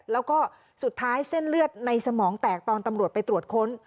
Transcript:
แล้วก็สุดท้ายเส้นเลือดในสมองแตกตอนตำรวจไปตรวจค้น